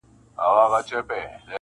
د زمري داسي تابع وو لکه مړی-